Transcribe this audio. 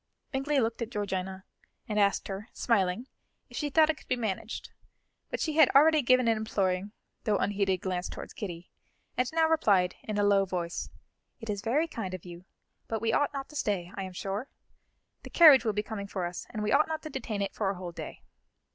Bingley looked at Georgiana and asked her, smiling, if she thought it could be managed, but she had already given an imploring, though unheeded, glance towards Kitty, and now replied, in a low voice: "It is very kind of you, but we ought not to stay, I am sure. The carriage will be coming for us, and we ought not to detain it for a whole day."